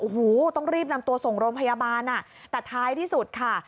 โอ้โหต้องรีบนำตัวส่งโรงพยาบาลแต่ท้ายที่สุดค่ะ